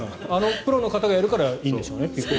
プロの方がやるからいいんでしょうね。